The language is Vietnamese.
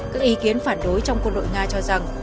các ý kiến phản đối trong quân đội nga cho rằng